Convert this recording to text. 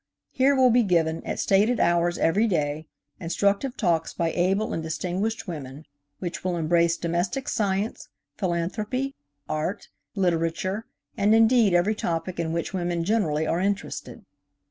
Here will be given, at stated hours every day, instructive talks by able and distinguished women, which will embrace domestic science, philanthropy, art, literature, and indeed every topic in which women generally are interested.